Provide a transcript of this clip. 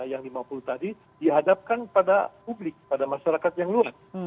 yang lima puluh tadi dihadapkan pada publik pada masyarakat yang luas